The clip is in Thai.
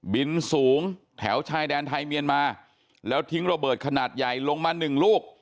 บินสูงแถวชายแดนไทยเมียนมาแล้วทิ้งระเบิดขนาดใหญ่ลงมาหนึ่งลูก